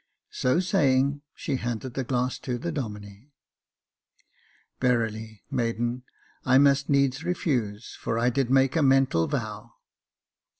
So saying, she handed the glass to the Domine. *' Verily, maiden, I must needs refuse, for I did make a mental vow."